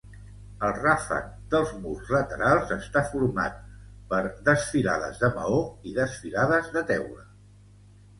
El ràfec dels murs laterals està format per desfilades de maó i desfilades de teula.